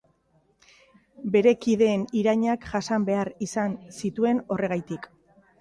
Bere kideen irainak jasan behar izan zituen horregatik.